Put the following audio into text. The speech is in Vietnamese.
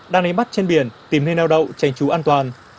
đang đánh bắt trên biển tìm nơi đau đầu tránh trú an toàn